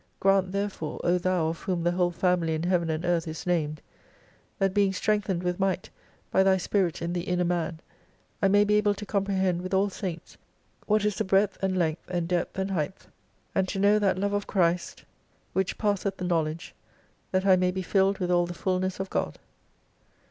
Grant therefore, O Thou of whom the whole family in heaven and earth is named, that being strengthened with might by Thy spirit in the inner man, I may be able to comprehend with all Saints, what is the breadth and length and depth and heighth, and to know that Love of Christ 71 which passeth knowledge, that I may be filled with all the fulness of God.